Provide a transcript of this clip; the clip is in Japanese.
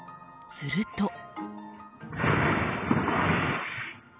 すると。